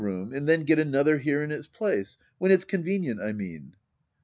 room^ and then get another here in its place. When it's convenient^ I mean.